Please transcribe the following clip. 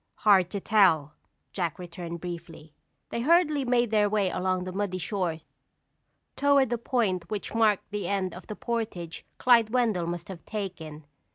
"Hard to tell," Jack returned briefly. They hurriedly made their way along the muddy shore toward the point which marked the end of the portage Clyde Wendell must have taken.